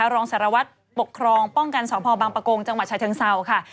รองสารวัตรปกครองป้องกันสพบางประกงจังหวัดชายเชิงเศร้าค่ะ